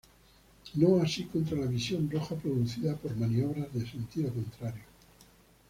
No así contra la visión roja producida por maniobras de sentido contrario.